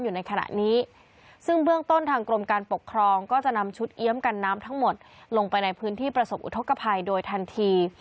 อยู่ในขณะนี้ซึ่งเบื้องต้นทางกรมการปกครองก็จะนำชุดเอี๊ยมกันน้ำทั้งหมดลงไปในพื้นที่ประสบอุทธกภัยโดยทันที